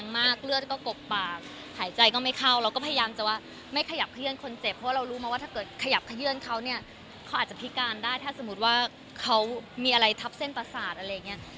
มันก็แล้วแต่คนพูดไปอะไรอย่างเงี้ย